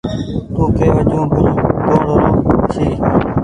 تو ڪي وجون گل توڙ رو ڇي۔